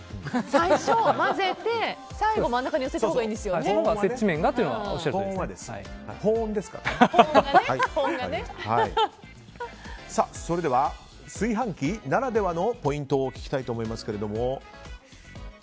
最初混ぜて最後真ん中に寄せたほうがそのほうが接地面がというのはそれでは炊飯器ならではのポイントを聞きたいと思いますが。